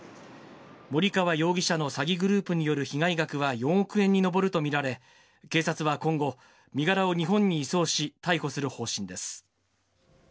森川容疑者の詐欺グループによる被害額は４億円に上ると見られ、警察は今後、身柄を日本に移送し、逮捕する方針です。